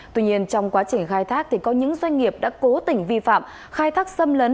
tuy nhiên trong quá trình khai thác có những doanh nghiệp đã cố tình vi phạm khai thác xâm lấn